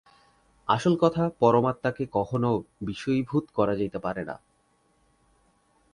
আসল কথা পরমাত্মাকে কখনও বিষয়ীভূত করা যাইতে পারে না।